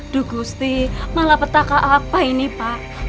dusti malapetaka apa ini pak